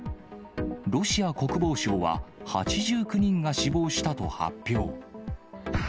ロシア国防省は、８９人が死亡したと発表。